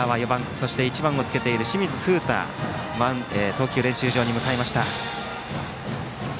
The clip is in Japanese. そして、１番を着けている清水風太が投球練習場に向かいました。